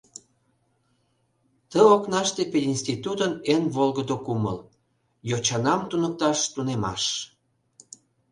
Ты окнаште пединститутын эн волгыдо кумыл: Йочанам туныкташ тунемаш.